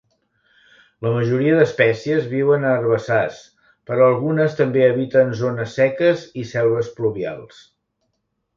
La majoria d'espècies viuen a herbassars, però algunes també habiten zones seques i selves pluvials.